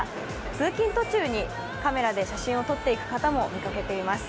通勤途中にカメラで写真を撮っていく方も見かけています。